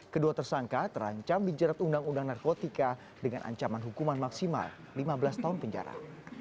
kedua tersangka terancam dijerat undang undang narkotika dengan ancaman hukuman maksimal lima belas tahun penjara